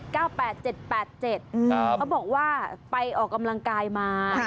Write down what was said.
เขาบอกว่าไปออกกำลังกายมา